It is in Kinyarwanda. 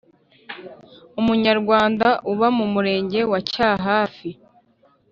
Umunyarwanda uba mu Murenge wa Cyahafi